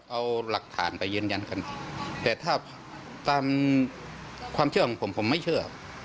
เอาหลักฐานไปยืนยันกันแต่ถ้าตามความเชื่อของผมผมไม่เชื่อ